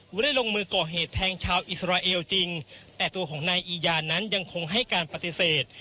ไม่ได้ลงมือก่อเหตุแทงชาวอิสราเอลจริงแต่ตัวของนายอียานั้นยังคงให้การปฏิเสธ